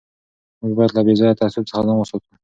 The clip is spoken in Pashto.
موږ باید له بې ځایه تعصب څخه ځان وساتو.